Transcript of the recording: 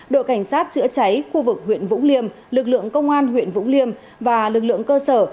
đội cảnh sát chữa cháy khu vực huyện vũng liêm lực lượng công an huyện vũng liêm và lực lượng cơ sở